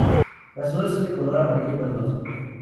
Las flores son de color amarillo verdoso.